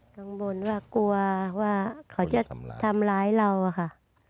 กังวลว่ากลัวว่าเขาจะทำร้ายเราอะค่ะ